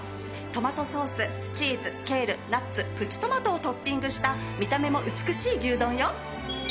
トマトソースチーズケールナッツプチトマトをトッピングした見た目も美しい牛丼よ。